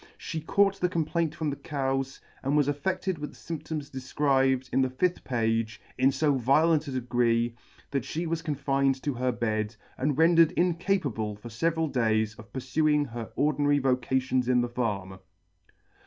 She caught the complaint from the cows, and was affeded with the fymptoms defcribed in the 5th page in fo violent a degree, that fhe was confined to her bed, and rendered incapable for feVeral days of purfuing her ordinary vocations in the farm.